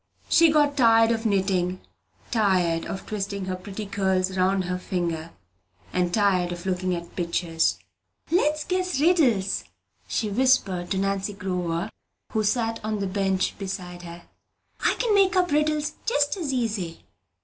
She got tired of knitting, tired of twisting her pretty curls round her finger, and tired of looking at pictures. "Let's guess riddles," she whispered to Nancy Glover, who sat on the bench beside her. "I can make up riddles just as easy!